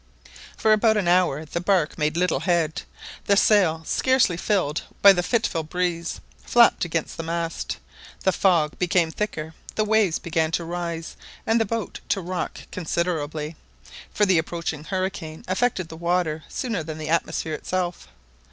For about an hour the bark made little head. The sail, scarcely filled by the fitful breeze, flapped against the mast. The fog became thicker. The waves began to rise and the boat to rock considerably; for the approaching hurricane affected the water sooner than the atmosphere itself.